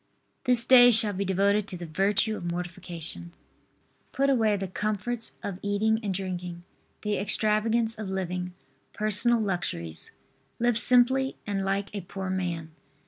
This day shall be devoted to the virtue of mortification. Put away the comforts of eating and drinking, the extravagance of living, personal luxuries. Live simply and like a poor man.